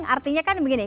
artinya kan begini